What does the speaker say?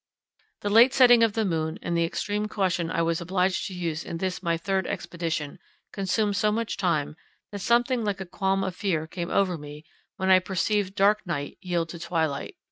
The late setting of the moon, and the extreme caution I was obliged to use in this my third expedition, consumed so much time, that something like a qualm of fear came over me when I perceived dark night yield to twilight.